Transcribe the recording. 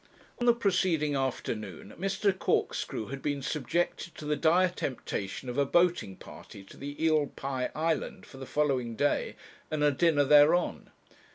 On the preceding afternoon, Mr. Corkscrew had been subjected to the dire temptation of a boating party to the Eel pie Island for the following day, and a dinner thereon.